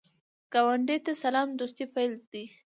ګاونډي ته سلام، د دوستۍ پیل دی